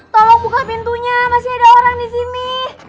tolong buka pintunya masih ada orang disini